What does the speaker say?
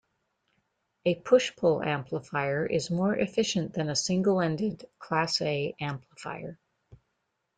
A push-pull amplifier is more efficient than a single-ended "class-A" amplifier.